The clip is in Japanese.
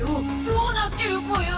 どうなってるぽよ。